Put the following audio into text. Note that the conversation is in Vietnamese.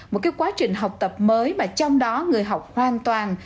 một cái quá trình học tập mới mà trong đó người học hoàn toàn